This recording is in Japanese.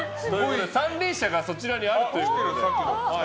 三輪車がそちらにあるということで。